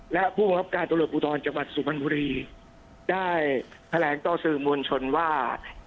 และผู้บังคับการตรวจบุตรจังหวัดสุพันธ์บุรีได้แทรงตอบสื่อมวลชนว่า